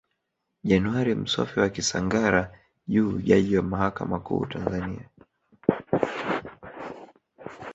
Januari Msofe wa Kisangara Juu Jaji wa mahakama kuu Tanzania